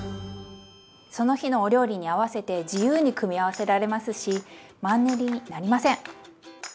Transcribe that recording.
その日のお料理に合わせて自由に組み合わせられますしマンネリになりません！